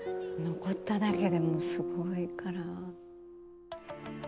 残っただけでもすごいから。